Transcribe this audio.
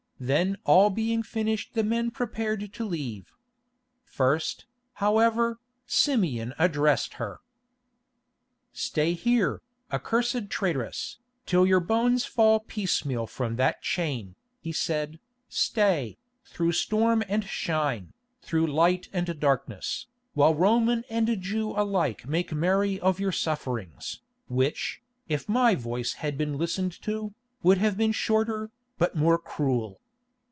Then all being finished the men prepared to leave. First, however, Simeon addressed her: "Stay here, accursed traitress, till your bones fall piecemeal from that chain," he said, "stay, through storm and shine, through light and darkness, while Roman and Jew alike make merry of your sufferings, which, if my voice had been listened to, would have been shorter, but more cruel.